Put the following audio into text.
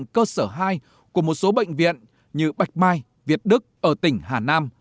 của một số bệnh viện như bạch mai việt đức ở tỉnh hà nam